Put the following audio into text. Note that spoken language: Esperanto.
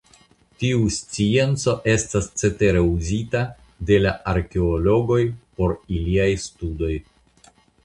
Tiu scienco estas cetere uzita de la arkeologoj por iliaj studoj.